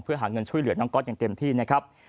เพื่อหาเงินช่วยเหลือน้องก๊อตอย่างเต็มที่นะครับ